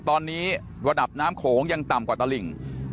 ตอนนี้ระดับน้ำโขงยังต่ำกว่าตลิ่ง